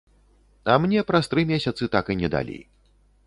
А мне праз тры месяцы так і не далі.